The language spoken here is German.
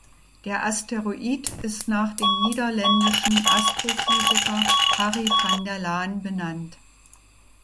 Der Asteroid ist nach dem niederländischen Astrophysiker Harry van der Laan benannt.